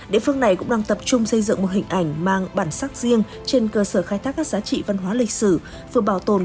địa phương này cũng đang tập trung xây dựng một hình ảnh mang bản sắc riêng trên cơ sở khai thác các giá trị văn hóa lịch sử